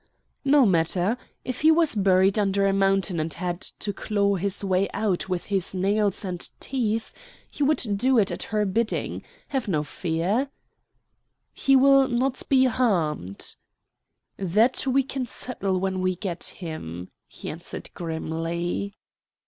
"No matter. If he was buried under a mountain and had to claw his way out with his nails and teeth, he would do it at her bidding. Have no fear." "He will not be harmed?" "That we can settle when we get him," he answered grimly.